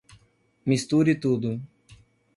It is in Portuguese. Misture tudo